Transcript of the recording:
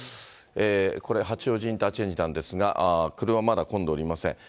これ、八王子インターチェンジなんですが、車はまだ混んでおりません。